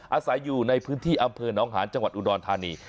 อาศัยอยู่ในพื้นที่อำเภอน้องหาญจังหวัดอุดรธานี